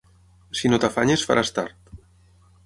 Si no t'afanyes, faràs tard.